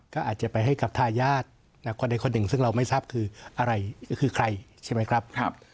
ก็อาจจะไปให้กับทายาทคนใดคนหนึ่งซึ่งเราไม่ทราบคืออะไรก็คือใครใช่ไหมครับ